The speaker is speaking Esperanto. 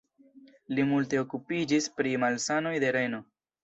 Li multe okupiĝis pri malsanoj de reno.